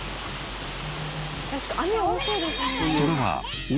確かに雨多そうですもんね。